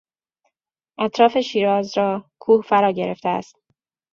اطراف شیراز را کوه فرا گرفته است.